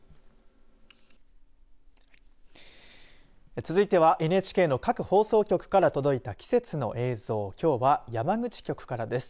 続いてはＮＨＫの各放送局から届いた季節の映像きょうは山口局からです。